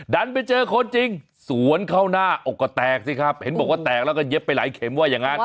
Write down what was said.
ดันไปเจอคนจริงสวนเข้าหน้าอกก็แตกสิครับเห็นบอกว่าแตกแล้วก็เย็บไปหลายเข็มว่าอย่างนั้น